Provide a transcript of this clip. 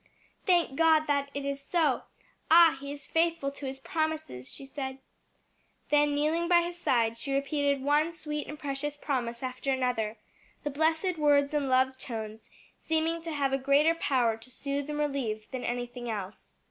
"Thank God that it is so! Ah, He is faithful to his promises!" she said. Then kneeling by his side she repeated one sweet and precious promise after another, the blessed words and loved tones seeming to have a greater power to soothe and relieve than anything else.